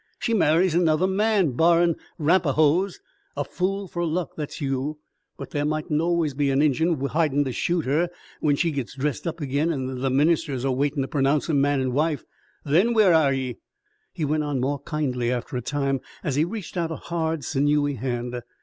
She marries another man barrin' 'Rapahoes. A fool fer luck that's you. But there mightn't always be a Injun hidin' to shoot her when she gits dressed up agin an' the minister is a waitin' to pernounce 'em man an' wife. Then whar air ye?" He went on more kindly after a time, as he reached out a hard, sinewy hand.